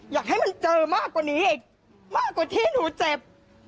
อยากให้มันเจอมากกว่านี้อีกมากกว่าที่หนูเจ็บ